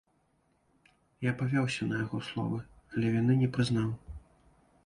Я павёўся на яго словы, але віны не прызнаў.